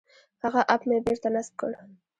هغه اپ مې بېرته نصب کړ.